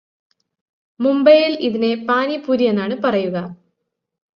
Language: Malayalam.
മുംബൈയിൽ ഇതിനെ പാനിപൂരിയെന്നാണ് പറയുക